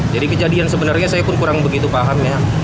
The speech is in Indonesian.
jadi kejadian sebenarnya saya pun kurang begitu paham ya